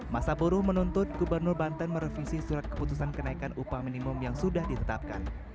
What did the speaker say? masa buruh menuntut gubernur banten merevisi surat keputusan kenaikan upah minimum yang sudah ditetapkan